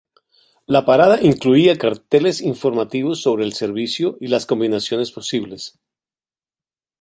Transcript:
La parada incluía carteles informativos sobre el servicio y las combinaciones posibles.